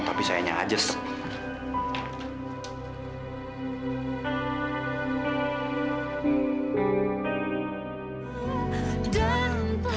tapi sayangnya aja sempurna